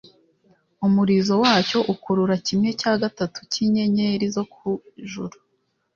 Umurizo wacyo ukurura kimwe cya gatatu cy’inyenyeri zo ku ijuru,